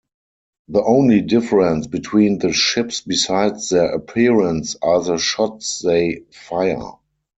The only difference between the ships besides their appearance are the shots they fire.